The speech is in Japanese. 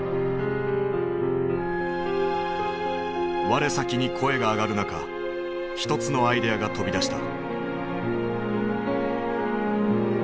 我先に声が上がる中一つのアイデアが飛び出した。